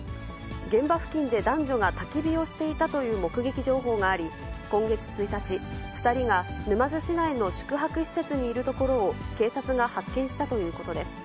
現場付近で男女がたき火をしていたという目撃情報があり、今月１日、２人が沼津市内の宿泊施設にいるところを警察が発見したということです。